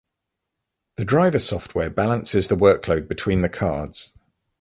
The driver software balances the workload between the cards.